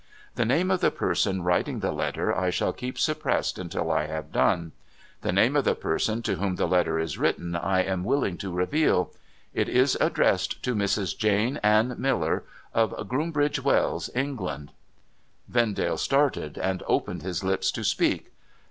The name of the person writing the letter I shall keep suppressed until I have done. The name of the person MR. OBENREIZER SOLVES THE MYSTERY 569 to whom the letter is written I am willing to reveal. It is addressed to " Mrs. Jane Anne Miller, of Groombridge wells, England." ' Vendale started, and opened his lips to speak.